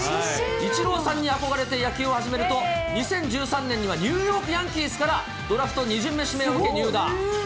イチローさんに憧れて野球を始めると、２０１３年にはニューヨークヤンキースから、ドラフト２巡目指名を受け入団。